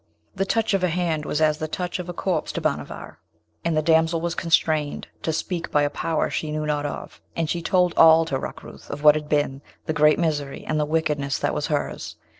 The touch of a hand was as the touch of a corpse to Bhanavar, and the damsel was constrained to speak by a power she knew not of, and she told all to Rukrooth of what had been, the great misery, and the wickedness that was hers.